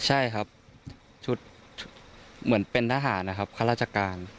ใช่ครับชุดเหมือนเป็นทหารนะครับข้าราชการ